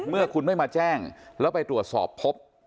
เมื่อคุณไม่มาแจ้งแล้วไปตรวจสอบพบ